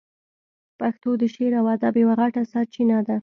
پښتو د شعر او ادب یوه غټه سرچینه ده.